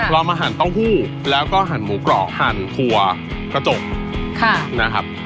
เรามาหั่นเต้าหู้แล้วก็หั่นหมูกรอบหั่นถั่วกระจกนะครับ